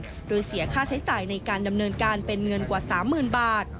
โดยเสียค่าใช้จ่ายในการดำเนินการเป็นเงินกว่า๓๐๐๐บาท